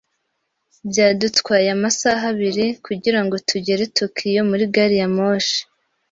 Byadutwaye amasaha abiri kugirango tugere Tokiyo muri gari ya moshi.